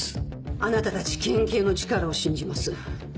あなたたち県警の力を信じます。